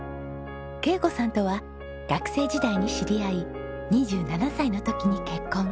恵子さんとは学生時代に知り合い２７歳の時に結婚。